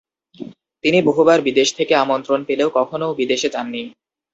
তিনি বহুবার বিদেশ থেকে আমন্ত্রণ পেলেও কখনও বিদেশে যাননি।